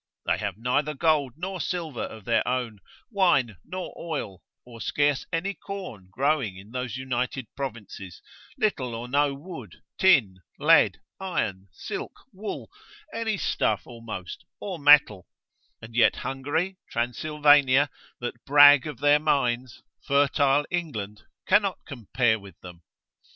They have neither gold nor silver of their own, wine nor oil, or scarce any corn growing in those united provinces, little or no wood, tin, lead, iron, silk, wool, any stuff almost, or metal; and yet Hungary, Transylvania, that brag of their mines, fertile England cannot compare with them.